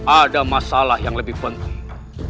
ada masalah yang lebih penting